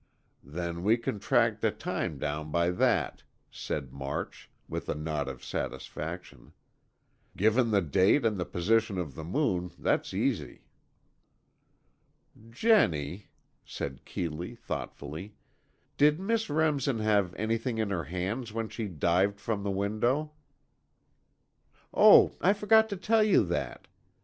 "Then we can track the time down by that," said March, with a nod of satisfaction. "Given the date and the position of the moon, that's easy." "Jennie," said Keeley, thoughtfully, "did Miss Remsen have anything in her hands when she dived from the window?" "Oh, I forgot to tell you that.